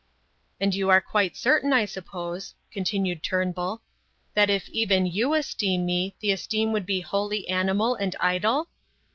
"And you are quite certain, I suppose," continued Turnbull, "that if even you esteem me the esteem would be wholly animal and idle?"